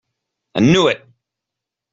I knew it!